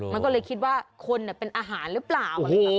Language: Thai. มันก็เลยคิดว่าคนเป็นอาหารหรือเปล่า